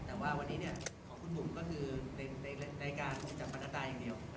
แต่ว่าวันนี้เนี่ยของคุณบุ๋มก็คือในรายการจัดบรรณดาอย่างเดียวนะครับ